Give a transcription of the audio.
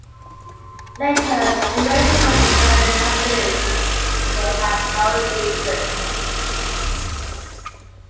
Later he married Cruz Maria Massu, but they had no children.